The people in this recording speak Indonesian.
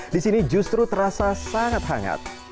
di sini justru terasa sangat hangat